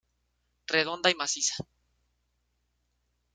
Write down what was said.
Redonda y maciza.